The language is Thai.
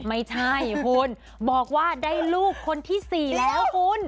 ไม่ใช่คุณบอกว่าได้ลูกคนที่๔แล้วคุณ